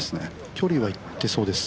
距離は行ってそうです。